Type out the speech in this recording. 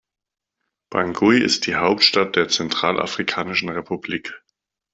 Bangui ist die Hauptstadt der Zentralafrikanischen Republik.